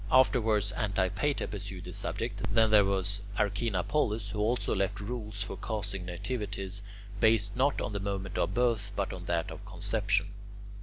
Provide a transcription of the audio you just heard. Afterwards Antipater pursued the subject; then there was Archinapolus, who also left rules for casting nativities, based not on the moment of birth but on that of conception.